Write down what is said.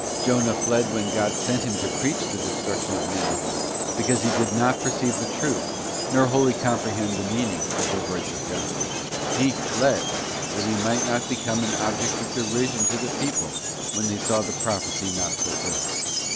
't Jonas fled when God sent him to preach the destruction of Ninive, because he did not perceive the truth, nor wholly comprehend the meaning, of the words of God. He fled, that he might not become an object of derision to the people when they saw the prophecy not fulfilled.